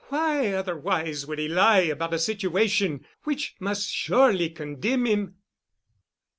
Why, otherwise, would he lie about a situation which must surely condemn him?"